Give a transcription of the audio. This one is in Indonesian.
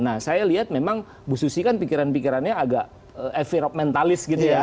nah saya lihat memang bu susi kan pikiran pikirannya agak envirogmentalis gitu ya